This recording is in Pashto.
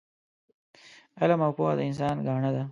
علم او پوه د انسان ګاڼه ده